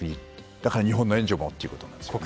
だから日本の援助もということなんでしょうね。